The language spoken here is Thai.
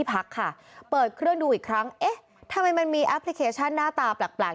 ก็แบบเว้นเข้ามาแล้วพอไปเครื่องดูอีกครั้งเอ๊ะทำไมมันมีแอ็ปพลิเคชันหน้าตาแปลก